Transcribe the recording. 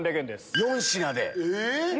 ４品で。